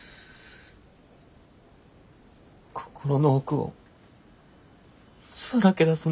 心の奥をさらけ出すの。